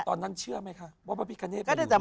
ตอนนั้นเชื่อไหมคะว่าบะพิกะเน่ไปอยู่ด้วย